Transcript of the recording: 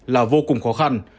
là vô cùng khó khăn